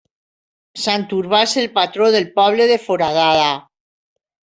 Sant Urbà és el patró del poble de Foradada.